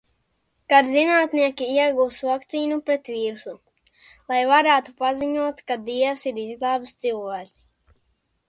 Kad zinātnieki iegūs vakcīnu pret vīrusu. Lai varētu paziņot, ka Dievs ir izglābis cilvēci.